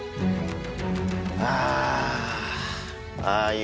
ああ。